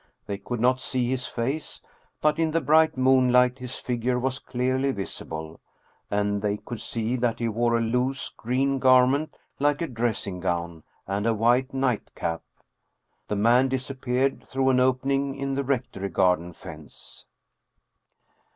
They could not see his face, but in the bright moonlight his figure was clearly visible, and they could see that he wore a loose green garment, like a dressing gown, and a white nightcap. The man disappeared through an opening in the rectory garden fence.